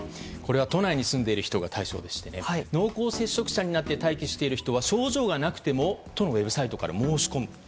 これは都内に住んでいる人が対象でしてね、濃厚接触者になって待機している人は、症状がなくても、都のウェブサイトから申し込む。